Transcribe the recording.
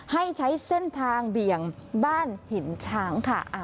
ให้ใช้เส้นทางเบี่ยงบ้านหินช้างค่ะ